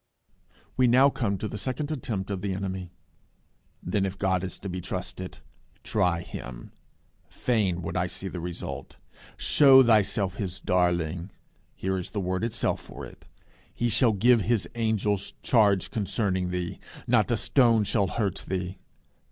We now come to the second attempt of the Enemy. "Then if God is to be so trusted, try him. Fain would I see the result. Shew thyself his darling. Here is the word itself for it: He shall give his angels charge concerning thee; not a stone shall hurt thee.